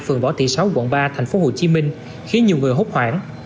phường võ thị sáu quận ba tp hcm khiến nhiều người hốt hoảng